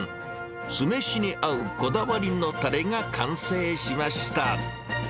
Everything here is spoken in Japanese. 酢飯に合うこだわりのたれが完成しました。